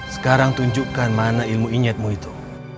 sekarang tunjukkan mana ilmu ingatmu itu